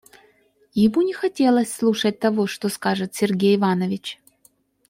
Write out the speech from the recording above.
Ему не хотелось слушать того, что скажет Сергей Иванович.